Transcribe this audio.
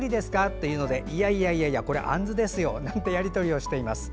と言うのでいやいや、これはアンズですよなんてやり取りをしています。